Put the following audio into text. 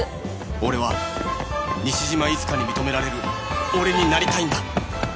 俺は西島いつかに認められる俺になりたいんだ